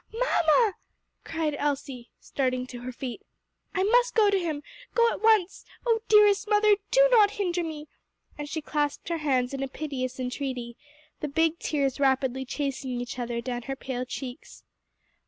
"Mamma!" cried Elsie, starting to her feet, "I must go to him! go at once. O dearest mother, do not hinder me!" and she clasped her hands in piteous entreaty, the big tears rapidly chasing each other down her pale cheeks.